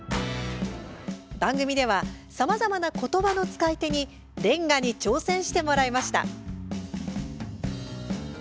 番組ではさまざまな言葉の使い手に連歌に挑戦してもらいました。